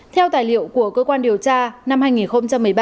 theo tài liệu của cơ quan điều tra năm hai nghìn một mươi ba